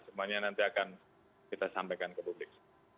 semuanya nanti akan kita sampaikan ke publik